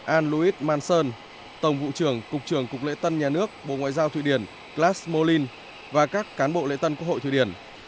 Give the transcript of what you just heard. an louis manson tổng vụ trưởng cục trưởng cục lễ tân nhà nước bộ ngoại giao thụy điển glass moline và các cán bộ lễ tân quốc hội thụy điển